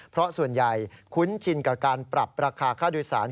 เพราะส่วนใหญ่คุ้นชินกับการปรับราคาค่าโดยสาร